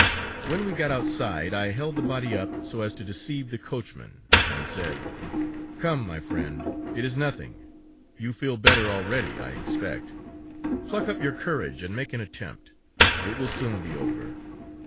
When we got outside, I held the body up, so as to deceive the coachman, and said: 'Come, my friend; it is nothing; you feel better already, I expect. Pluck up your courage, and make an attempt. It will soon be over.'